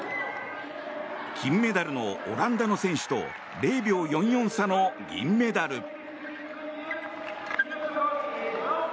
金メダルのオランダの選手と０秒４４差の銀メダル。